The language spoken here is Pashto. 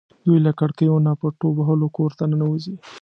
دوی له کړکیو نه په ټوپ وهلو کور ته ننوځي.